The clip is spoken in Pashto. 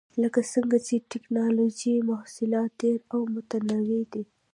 لکه څنګه چې د ټېکنالوجۍ محصولات ډېر او متنوع دي.